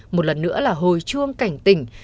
một lần nữa là hồi chuông cảnh tỉnh